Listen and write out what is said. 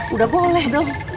udah boleh dong